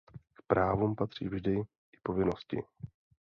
K právům patří vždy i povinnosti.